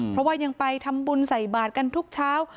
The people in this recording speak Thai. เพราะว่ายังไปทำบุญใส่บาทกันทุกเช้า